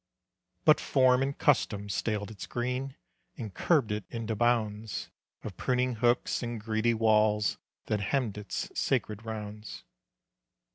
But form and custom staled its green And curbed it into bounds Of pruning hooks and greedy walls That hemmed its sacred rounds.